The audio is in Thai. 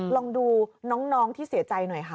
ลองดูน้องที่เสียใจหน่อยค่ะ